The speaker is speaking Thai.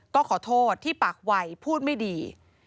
ก็ขอโทษที่ปากวัยพูดไม่ดี